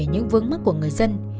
những vướng mắt của người dân